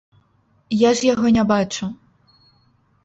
Я ж яго не бачу.